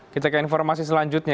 kita ke informasi selanjutnya